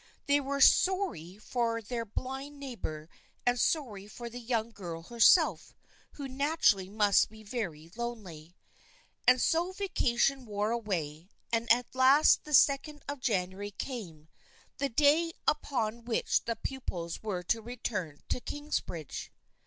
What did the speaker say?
They were sorry for their blind neighbor and sorry for the young girl herself, who naturally must be very lonely. And so vacation wore away and at last the sec ond of January came, the day upon which the pupils were to return to Kingsbridge.